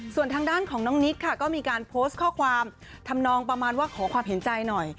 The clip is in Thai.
ส่วนทางด้านของน้องนิกค่ะก็มีการโพสต์ข้อความทำนองประมาณว่าขอความเห็นใจหน่อย